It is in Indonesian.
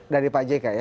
dari pak jk ya